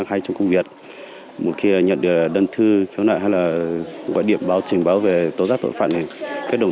hay trong công việc một khi nhận được đơn thư hay là gọi điệp trình báo về tố giác tội phạm